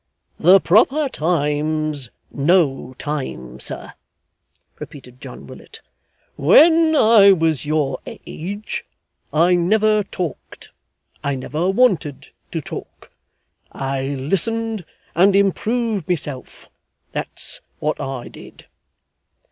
'The proper time's no time, sir,' repeated John Willet; 'when I was your age I never talked, I never wanted to talk. I listened and improved myself that's what I did.